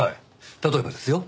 例えばですよ